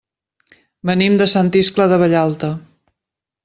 Venim de Sant Iscle de Vallalta.